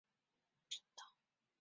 游戏商会推出不同的限时频道。